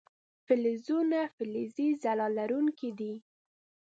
فلزونه فلزي ځلا لرونکي دي.